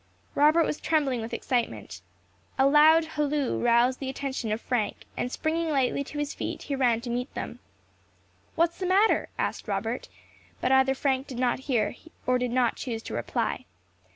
Robert was trembling with excitement. A loud halloo roused the attention of Frank, and springing lightly to his feet he ran to meet them. "What is the matter?" asked Robert; but either Frank did not hear, or did not choose to reply.